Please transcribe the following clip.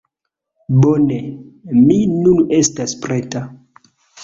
Bone, mi nun estas preta.